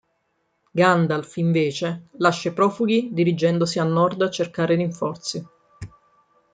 Gandalf, invece, lascia i profughi dirigendosi a nord a cercare rinforzi.